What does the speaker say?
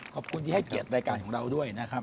ขอบคุณที่ให้เกียรติรายการของเราด้วยนะครับ